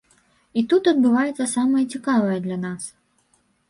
І тут адбываецца самае цікавае для нас.